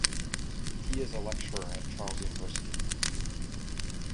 He is a lecturer at Charles University.